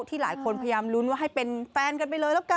หลายคนพยายามลุ้นว่าให้เป็นแฟนกันไปเลยแล้วกัน